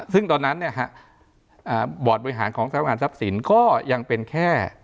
ซึ่งตอนนั้นเนี่ยฮะบอร์ดบริหารของทรัพย์งานทรัพย์สินก็ยังเป็นแค่